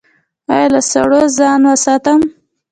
ایا له سړو ځان وساتم؟